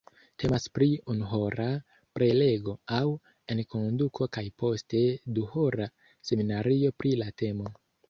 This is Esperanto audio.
Temas pri unuhora prelego aŭ enkonduko kaj poste duhora seminario pri la temo.